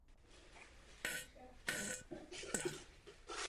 Král Sebastian a portugalský Charles a Salazar.